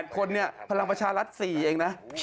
คนเนี่ยพลังประชารัฐ๔เองนะ